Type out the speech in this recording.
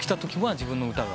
自分の歌が。